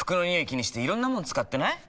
気にしていろんなもの使ってない？